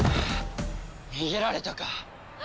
逃げられたか。